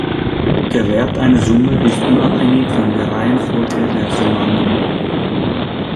Der Wert einer Summe ist unabhängig von der Reihenfolge der Summanden.